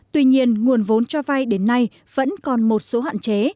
tuy nhiên nguồn vốn cho vay đến nay vẫn còn một số hạn chế